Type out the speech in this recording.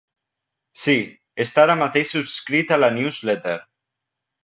Sí, està ara mateix subscrit a la newsletter.